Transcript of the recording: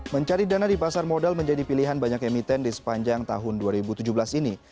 mencari dana di pasar modal menjadi pilihan banyak emiten di sepanjang tahun dua ribu tujuh belas ini